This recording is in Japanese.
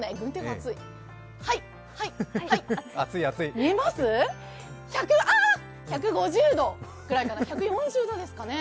はい、１５０度ぐらいかな１４０度ですかね。